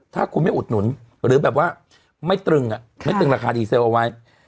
ถ้าคุณไม่อุดหนุนหรือแบบว่าไม่ตรึงไม่ตรึงราคาดีเซลเอาไว้